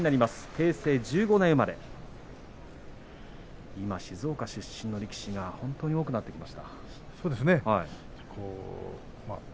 平成１５年生まれ静岡出身の力士が本当に多くなってきました。